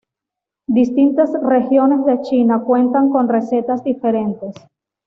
Distintas regiones de China cuentan con recetas diferentes.